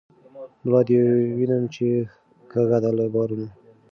ملا دي وینم چی کږه ده له بارونو